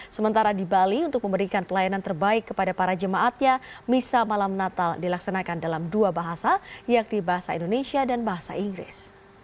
sementara di bali untuk memberikan pelayanan terbaik kepada para jemaatnya misa malam natal dilaksanakan dalam dua bahasa yakni bahasa indonesia dan bahasa inggris